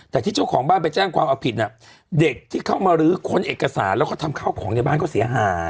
แต่ที่เจ้าของบ้านไปแจ้งความเอาผิดน่ะเด็กที่เข้ามาลื้อค้นเอกสารแล้วก็ทำข้าวของในบ้านก็เสียหาย